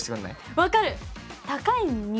分かる！